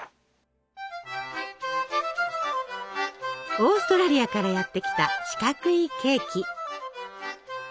オーストラリアからやって来た四角いケーキ！